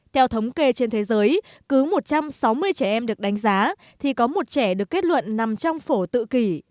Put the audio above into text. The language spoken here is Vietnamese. theo thống kê trên thế giới cứ một trăm sáu mươi trẻ em được đánh giá thì có một trẻ được kết luận nằm trong phổ tự kỷ